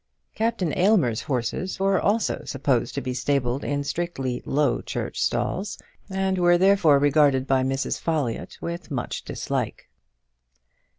Captain Aylmer's horses were also supposed to be stabled in strictly Low Church stalls, and were therefore regarded by Mrs. Folliott with much dislike.